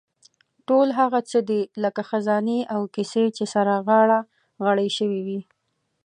ټول هغه څه دي لکه خزانې او کیسې چې سره غاړه غړۍ شوې وي.